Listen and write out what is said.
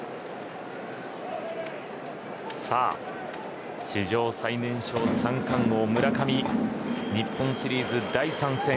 さあ史上最年少三冠王、村上日本シリーズ第３戦。